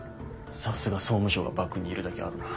さすが総務省がバックにいるだけあるな。